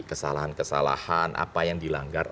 kesalahan kesalahan apa yang dilanggar